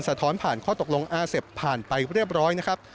ท้อนผ่านข้อตกลงอาเซฟผ่านไปเรียบร้อยนะครับ